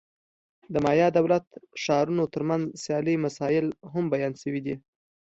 د مایا دولت-ښارونو ترمنځ سیالۍ مسایل هم بیان شوي دي.